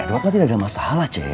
edward kan tidak ada masalah ceng